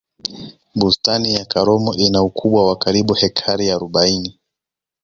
bustani ya karomo ina ukubwa wa karibu hekari arobaini